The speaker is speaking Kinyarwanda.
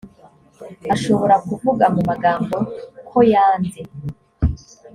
ashobora kuvuga mu magambo ko yanze